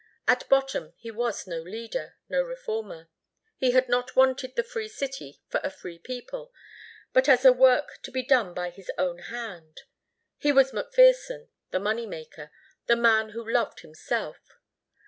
At bottom he was no leader, no reformer. He had not wanted the free city for a free people, but as a work to be done by his own hand. He was McPherson, the money maker, the man who loved himself.